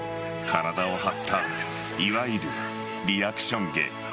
体を張ったいわゆるリアクション芸。